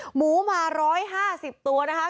หมูมา๑๕๐ตัวนะคะ